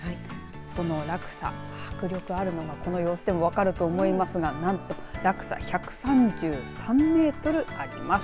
その落差、迫力あるものがこの様子でも分かると思いますが何と落差１３４メートルあります。